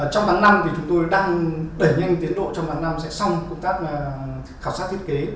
trong tháng năm thì chúng tôi đang đẩy nhanh tiến độ trong bản năm sẽ xong công tác khảo sát thiết kế